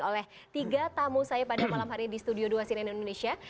oleh tiga tamu saya pada malam hari di studio dua cnn indonesia